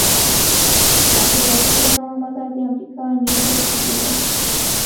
د عبدالروف بينوا مزار دامريکا نيوجرسي کي دی